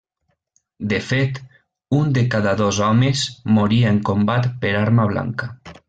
De fet, un de cada dos homes moria en combat per arma blanca.